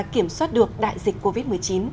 kiểm soát được đại dịch covid một mươi chín